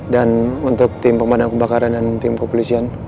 dan untuk tim pemandang kebakaran dan tim kepolisian